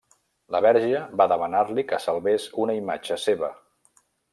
La Verge va demanar-li que salvés una imatge Seva.